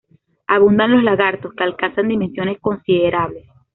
Abundan los lagartos, que alcanzan dimensiones considerables.